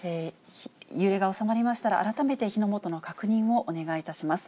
揺れが収まりましたら、改めて火の元の確認をお願いいたします。